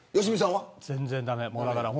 全然駄目。